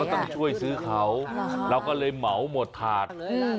เราก็ต้องช่วยซื้อเขาหรอค่ะเราก็เลยเหมาหมดถาดอืม